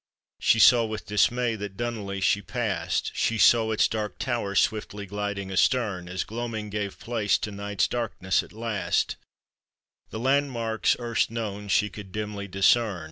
She saw with dismay that Dunollyshe passed, She saw its dark tower swiftly gliding astern ; As gloaming gave place to night's darkness, at last, The landmarks, erst known, she could dimly discern.